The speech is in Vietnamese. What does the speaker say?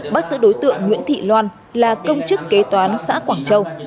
bắt giữ đối tượng nguyễn thị loan là công chức kế toán xã quảng châu